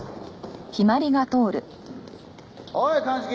おい鑑識！